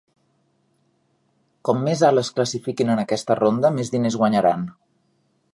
Com més alt es classifiquin en aquesta ronda, més diners guanyaran.